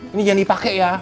ini jangan dipake ya